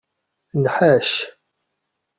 Nḥac.